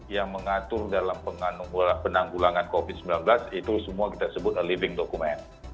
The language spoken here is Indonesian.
yang mengatur dalam penanggulangan covid sembilan belas itu semua kita sebut a living document